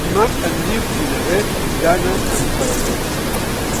Dimarts en Nil i na Bet iran a Emperador.